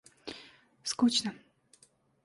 скучно